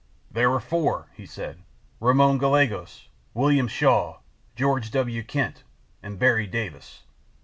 "There were four," he said—"Ramon Gallegos, William Shaw, George W. Kent and Berry Davis."